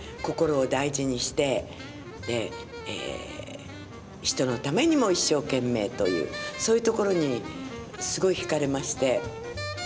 心を大事にして人のためにも一生懸命というそういうところにすごい引かれまして。